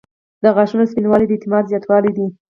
• د غاښونو سپینوالی د اعتماد زیاتوالی دی.